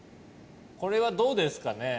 これはどうですかね？